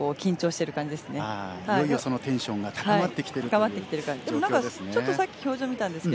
いよいよそのテンションが高まってきてるという状況ですね。